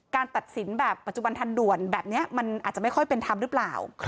ตัดสินแบบปัจจุบันทันด่วนแบบนี้มันอาจจะไม่ค่อยเป็นธรรมหรือเปล่า